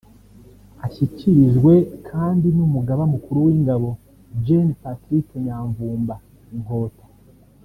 Ashyikirijwe kandi n’umugaba mukuru w’ingabo Gen Patrick Nyamvumba Inkota